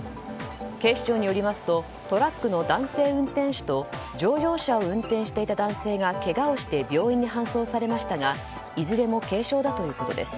警視庁によりますとトラックの男性運転手と乗用車を運転していた男性がけがをして病院に搬送されましたがいずれも軽傷だということです。